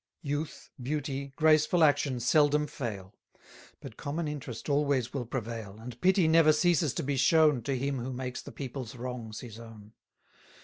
Youth, beauty, graceful action seldom fail; But common interest always will prevail: And pity never ceases to be shown To him who makes the people's wrongs his own.